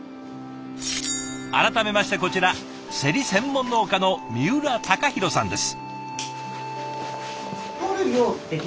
改めましてこちらせり専門農家の三浦隆弘さんです。